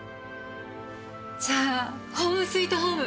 じゃあホームスイートホーム！